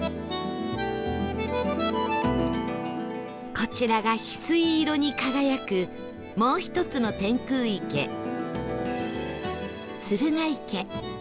こちらが翡翠色に輝くもう一つの天空池鶴ヶ池